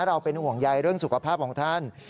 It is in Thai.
เราเป็นห่วงใยเรื่องสุขภาพของท่าน